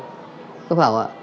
có phải không ạ